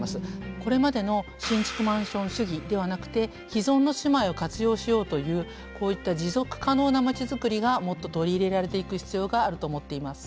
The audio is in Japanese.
これまでの新築マンション主義ではなくて既存の住まいを活用しようというこういった持続可能な町作りがもっと取り入れられていく必要があると思っています。